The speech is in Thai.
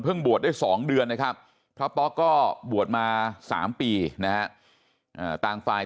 บวชได้๒เดือนนะครับพระป๊อกก็บวชมา๓ปีนะฮะต่างฝ่าย